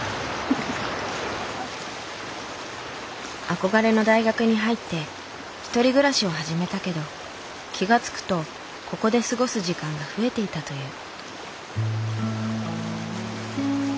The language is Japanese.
憧れの大学に入って１人暮らしを始めたけど気が付くとここで過ごす時間が増えていたという。